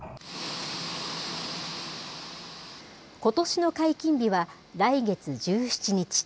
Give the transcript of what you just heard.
ことしの解禁日は、来月１７日。